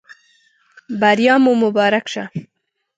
بریا مو مبارک شه.